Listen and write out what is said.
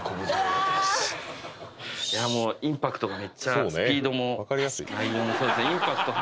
いやもうインパクトがめっちゃスピードも内容もそうですね